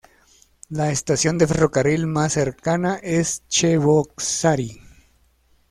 La estación de ferrocarril más cercana es Cheboksary.